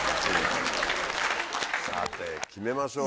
さて決めましょうよ。